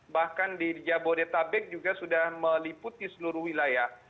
bahkan di jabodetabek juga sudah meliputi seluruh wilayah